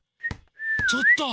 ちょっと！